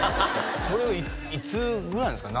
それはいつぐらいなんですか？